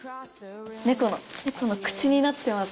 猫の猫の口になってます